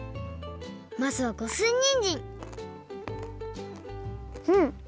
まずは五寸にんじんうん！